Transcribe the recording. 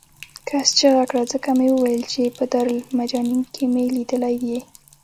کس چغه کړه ځکه مې وویل چې په دارالمجانین کې مې لیدلی یې.